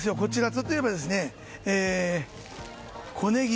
例えば、小ネギ。